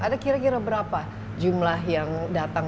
ada kira kira berapa jumlah yang datang